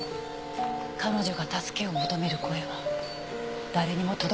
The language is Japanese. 彼女が助けを求める声は誰にも届かなかった。